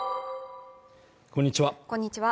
こんにちは